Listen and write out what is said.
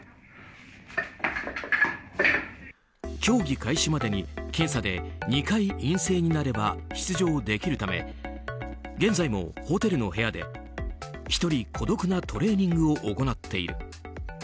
競技開始までに検査で２回陰性になれば出場できるため現在もホテルの部屋で１人孤独なトレーニングを行っている。